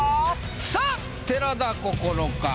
さあ寺田心か？